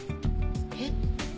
えっ？